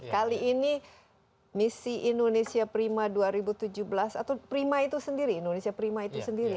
kali ini misi indonesia prima dua ribu tujuh belas atau prima itu sendiri indonesia prima itu sendiri